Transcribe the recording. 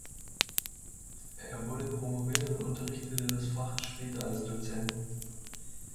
Er wurde promoviert und unterrichtete das Fach später als Dozent.